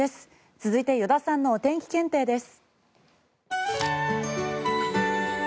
続いて依田さんのお天気検定です。